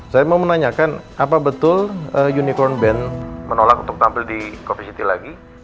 saya mau menanyakan apa betul unicorn band menolak untuk tampil di coffee city lagi